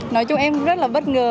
nói chung em rất là bất ngờ